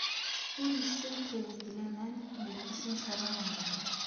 Ur yessefk ad yeg laman deg Lḥusin n Caɛban u Ṛemḍan.